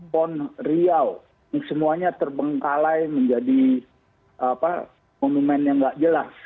pon riau semuanya terbengkalai menjadi monumen yang nggak jelas